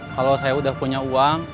kalau saya udah punya uang